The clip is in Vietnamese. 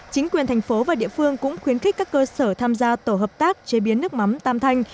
chính quyền thành phố và địa phương cũng khuyến khích các cơ sở tham gia tổ hợp tác chế biến nước mắm tam thanh